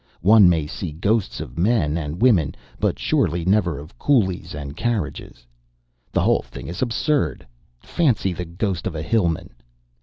One may see ghosts of men and women, but surely never of coolies and carriages. The whole thing is absurd. Fancy the ghost of a hillman!"